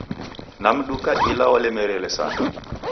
Namduka ila walemere sana